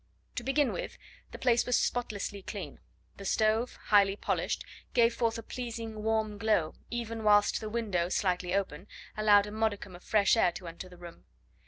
To begin with, the place was spotlessly clean; the stove, highly polished, gave forth a pleasing warm glow, even whilst the window, slightly open, allowed a modicum of fresh air to enter the room.